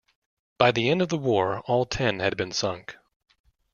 By the end of the war all ten had been sunk.